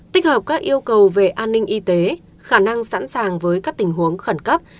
tích hợp các yêu cầu về an ninh y tế khả năng sẵn sàng với các tình huống khẩn cấp